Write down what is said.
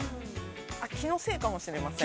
◆気のせいかもしれません。